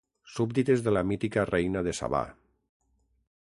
Súbdites de la mítica reina de Sabà.